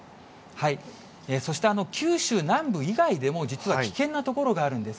そして九州南部以外でも実は危険な所があるんです。